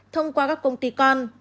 thông qua các công ty con